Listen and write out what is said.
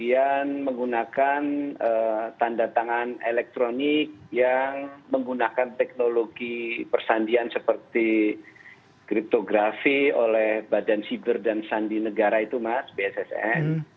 dan menggunakan tanda tangan elektronik yang menggunakan teknologi persandian seperti kriptografi oleh badan siber dan sandi negara itu mas bssn